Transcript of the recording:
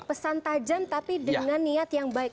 pesan tajam tapi dengan niat yang baik